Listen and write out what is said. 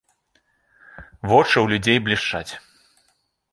Вочы ў людзей блішчаць.